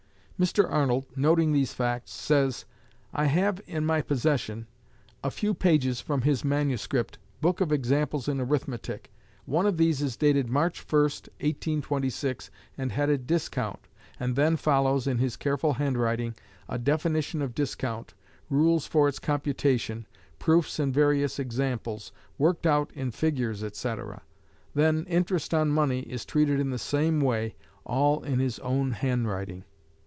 Mr. Arnold, noting these facts, says: "I have in my possession a few pages from his manuscript 'Book of Examples in Arithmetic' One of these is dated March 1, 1826, and headed 'Discount,' and then follows, in his careful handwriting: 'A definition of Discount,' 'Rules for its computation,' 'Proofs and Various Examples,' worked out in figures, etc.; then 'Interest on money' is treated in the same way, all in his own handwriting.